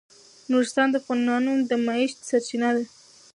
نورستان د افغانانو د معیشت سرچینه ده.